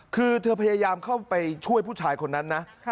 คือเธอพยายามเข้าไปช่วยผู้ชายคนนั้นนะ